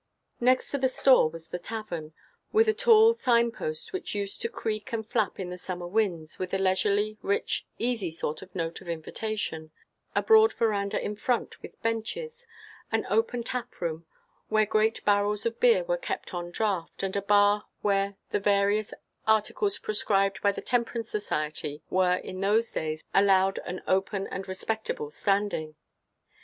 Next to the store was the tavern, – with a tall signpost which used to creak and flap in the summer winds, with a leisurely, rich, easy sort of note of invitation, – a broad veranda in front, with benches, – an open tap room, where great barrels of beer were kept on draft, and a bar where the various articles proscribed by the temperance society were in those days allowed an open and respectable standing.